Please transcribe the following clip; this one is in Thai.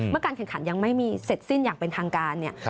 การแข่งขันยังไม่มีเสร็จสิ้นอย่างเป็นทางการเนี่ย